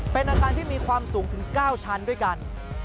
เป็นอาคารที่มีความสูงถึง๙ชั้นด้วยกัน